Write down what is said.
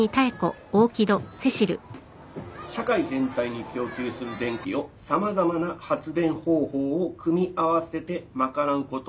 社会全体に供給する電気を様々な発電方法を組み合わせて賄うことを何と言う？